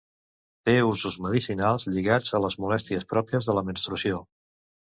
Té usos medicinals lligats a les molèsties pròpies de la menstruació.